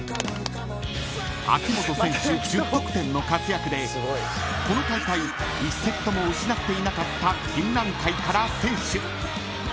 ［秋本選手１０得点の活躍でこの大会１セットも失っていなかった金蘭会から先取］